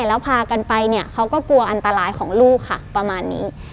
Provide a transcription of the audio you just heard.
แล้วพากันไปเนี่ยเขาก็กลัวอันตรายของลูกค่ะประมาณนี้